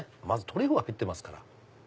まずトリュフが入ってますから。